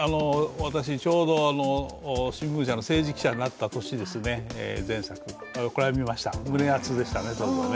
私、ちょうど新聞社の政治記者になった年ですね、前作、これは見ました、胸熱でしたね。